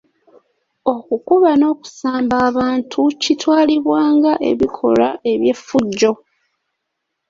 Okukuba n'okusamba abantu kitwalibwa ng'ebikolwa by'effujjo.